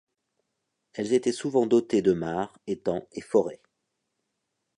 Elles étaient souvent dotées de mares, étangs et forêts.